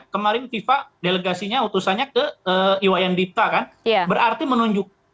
kemarin fifa delegasinya utusannya ke iwayandipka kan berarti menunjuk